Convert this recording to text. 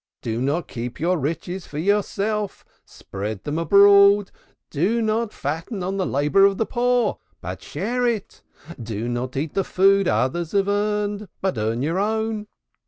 Do not keep your riches for yourself, spread them abroad. Do not fatten on the labor of the poor, but share it. Do not eat the food others have earned, but earn your own.